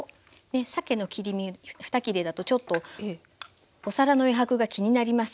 さけの切り身ふた切れだとちょっとお皿の余白が気になりますが